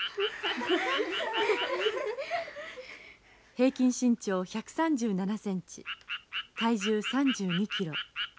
平均身長１３７センチ体重３２キロ。